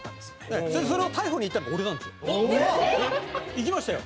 行きましたよ。